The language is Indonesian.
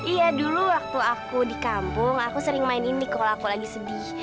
iya dulu waktu aku di kampung aku sering main ini kalau aku lagi sedih